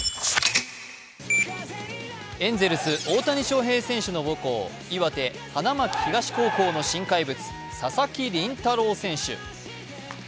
エンゼルス・大谷翔平選手の母校、岩手・花巻東高校の新怪物、佐々木麟太郎選手。